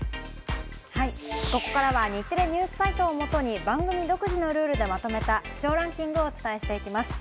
ここからは日テレＮＥＷＳサイトを元に番組独自のルールでまとめた視聴ランキングをお伝えしていきます。